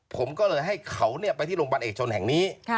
ผมก็เลยให้เขาไปที่โรงพยาบาลเอกชนแห่งนี้